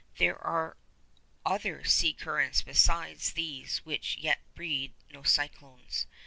There are other sea currents besides these which yet breed no cyclones.